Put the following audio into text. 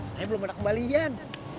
saya belum ada kembalian